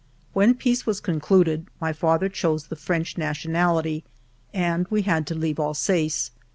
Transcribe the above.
When peace was concluded my father chose the French nationality, and we had to leave Alsace.